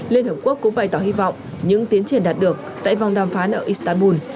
liên hợp quốc cũng bày tỏ hy vọng những tiến triển đạt được tại vòng đàm phán ở istanbul